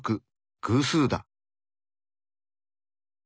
偶数だ。